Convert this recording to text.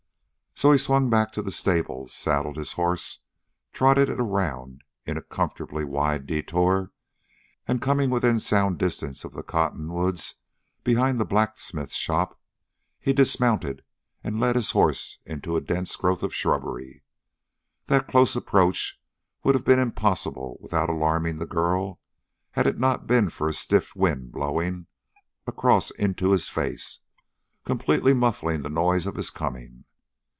So he swung back to the stables, saddled his horse, trotted it around in a comfortably wide detour, and, coming within sound distance of the cottonwoods behind the blacksmith shop, he dismounted and led his horse into a dense growth of shrubbery. That close approach would have been impossible without alarming the girl, had it not been for a stiff wind blowing across into his face, completely muffling the noise of his coming.